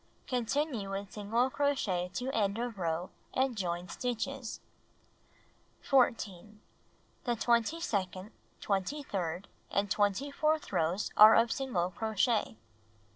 Continue with single crochet to end of row and join stitches. 14. The twenty second, twenty third and twenty fourth rows are of single crochet.